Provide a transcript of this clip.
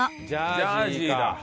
ジャージーだ。